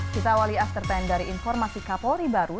kita awali aftertand dari informasi kapolri baru